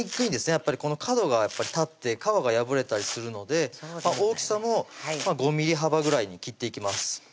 やっぱりこの角が立って皮が破れたりするので大きさも５ｍｍ幅ぐらいに切っていきます